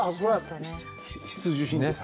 必需品です。